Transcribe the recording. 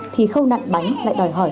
thì khâu nặn bánh lại đòi hỏi